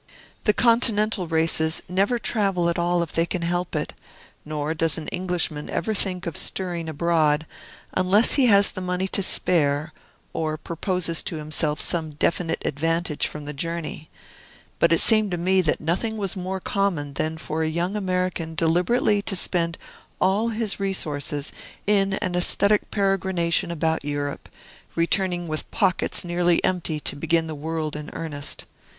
The Continental races never travel at all if they can help it; nor does an Englishman ever think of stirring abroad, unless he has the money to spare, or proposes to himself some definite advantage from the journey; but it seemed to me that nothing was more common than for a young American deliberately to spend all his resources in an aesthetic peregrination about Europe, returning with pockets nearly empty to begin the world in earnest.